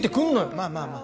まあまあまあ。